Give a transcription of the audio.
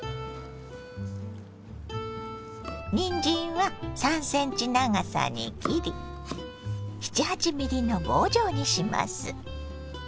にんじんは３ｃｍ長さに切り７８ｍｍの棒状にします。